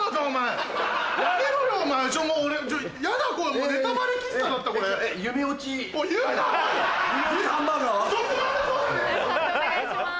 判定お願いします。